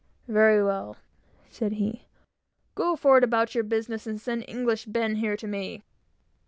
"Very well," said he. "Go forward about your business, and send English Ben here to me!"